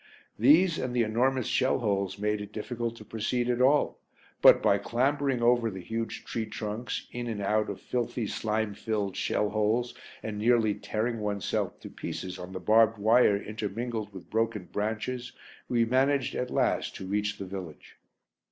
These and the enormous shell holes made it difficult to proceed at all, but, by clambering over the huge tree trunks, in and out of filthy slime filled shell holes, and nearly tearing oneself to pieces on the barbed wire intermingled with the broken branches, we managed at last to reach the village.